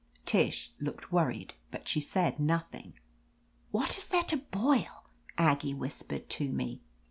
Tish looked worried, but she said nothing, "What is there to boil?" Aggie whispered tome.